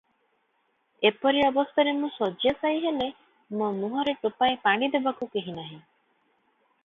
ଏପରି ଅବସ୍ଥାରେ ମୁଁ ଶଯ୍ୟାଶାୟୀ ହେଲେ ମୋ ମୁହଁରେ ଟୋପାଏ ପାଣି ଦେବାକୁ କେହି ନାହି ।